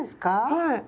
はい。